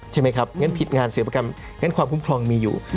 ใช่ไหมครับงั้นผิดงานเสียประกรรมงั้นความคุ้มครองมีอยู่